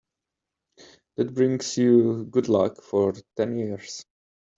That brings you good luck for ten years.